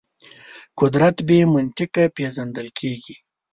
قدرت بې منطقه پېژندل کېږي.